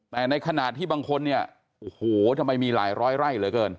แต่ในขณะที่บางคนเนี่ยโอ้โหทำไมมีหลายร้อยไร่เหลือเกิน